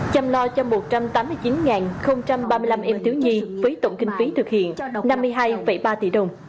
chăm lo cho một trăm tám mươi chín ba mươi năm em thiếu nhi với tổng kinh phí thực hiện năm mươi hai ba tỷ đồng